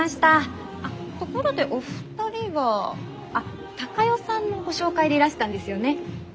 あっところでお二人はあっ孝代さんのご紹介でいらしたんですよね。